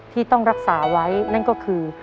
ที่ต้องรักษาไว้นั่นก็คือ